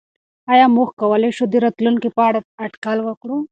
آیا موږ کولای شو د راتلونکي په اړه اټکل وکړو؟